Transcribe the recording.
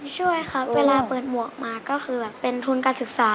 ช่วยครับเวลาเปิดหมวกมาก็คือแบบเป็นทุนการศึกษา